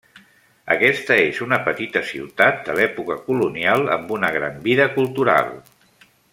Aquesta és una petita ciutat de l'època colonial amb una gran vida cultural.